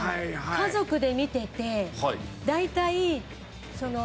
家族で見てて大体その。